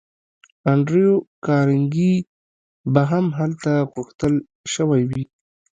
انډریو کارنګي به هم هلته غوښتل شوی وي